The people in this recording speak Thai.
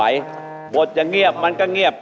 ไม่ไหวบทจะเงียบมันก็เงียบ